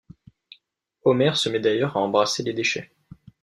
Homer se met d'ailleurs à embrasser les déchets.